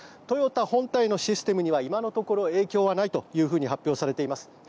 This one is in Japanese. トヨタ本体のシステムには今のところ影響はないと発表されています。